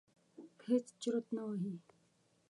هېڅ چرت نه وهي.